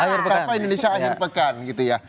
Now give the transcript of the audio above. sapa indonesia akhir pekan gitu ya